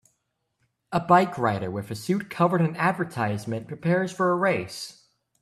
A bike rider with a suit covered in advertisement prepares for a race